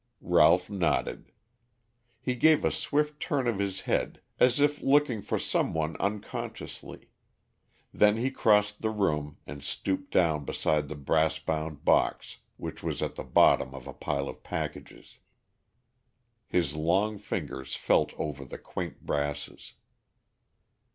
Ralph nodded. He gave a swift turn of his head as if looking for some one unconsciously, then he crossed the room and stooped down beside the brass bound box, which was at the bottom of a pile of packages. His long fingers felt over the quaint brasses.